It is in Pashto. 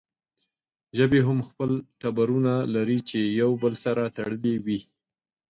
ژبې هم خپل ټبرونه لري چې يو بل سره تړلې وي